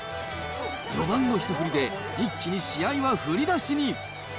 ４番の一振りで、一気に試合は振り出しに。